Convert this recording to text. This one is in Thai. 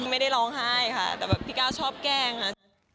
ไม่ได้ร้องไห้ค่ะแต่แบบพี่ก้าวชอบแกล้งค่ะ